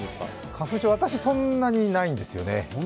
花粉症、私、そんなにないんですよね。